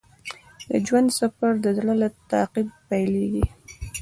د ژوند سفر د زړه له تعقیب پیلیږي.